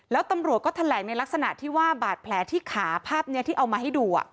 แล้วตำรวจก็แถลงในลักษณะที่ว่าบาดแผลที่ขาภาพนี้ที่เอามาให้ดู